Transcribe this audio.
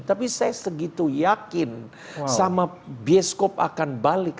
tapi saya segitu yakin sama bioskop akan balik